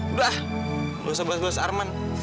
udah ah nggak usah bahas bahas arman